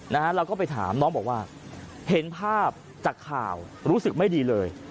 เราก็ไปถามน้องบอกว่าเห็นภาพจากข่าวรู้สึกไม่ดีเลย